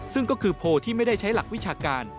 ซึ่งก็คือโพลที่ไม่ได้ใช้หลักวิชาการ